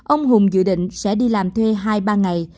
ông hùng dự định sẽ đi làm thuê hai ba ngày